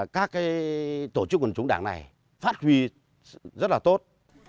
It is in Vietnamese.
các tổ chức quần chúng đảng này phát huy rất là tốt